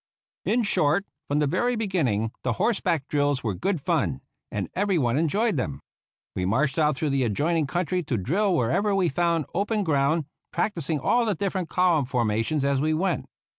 In short, from the very beginning the horseback drills were good fun, and everyone enjoyed them. We marched out through the adjoining country to drill wherever we found open ground, practis ing all the different column formations as we went.